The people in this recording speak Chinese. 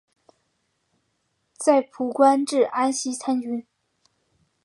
在晋官至安西参军。